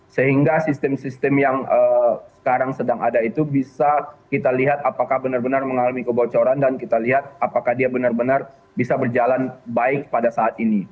sehingga sistem sistem yang sekarang sedang ada itu bisa kita lihat apakah benar benar mengalami kebocoran dan kita lihat apakah dia benar benar bisa berjalan baik pada saat ini